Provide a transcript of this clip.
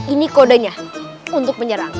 ini kodenya untuk menyerang